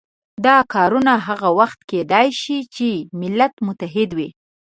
دا کارونه هغه وخت کېدای شي چې ملت متحد وي.